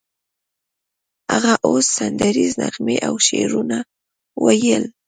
هغه اوس سندریزې نغمې او شعرونه ویل